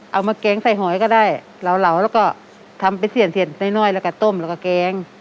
เอามาแก๊งใส่หอยก็ได้ลาวแล้วก็ทำไปเสียดน้อยแล้วก็ต้มแล้วก็แก๊ง